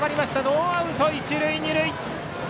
ノーアウト、一塁二塁。